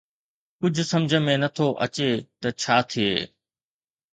ڪجهه سمجهه ۾ نه ٿو اچي ته ڇا ٿئي